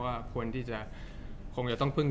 จากความไม่เข้าจันทร์ของผู้ใหญ่ของพ่อกับแม่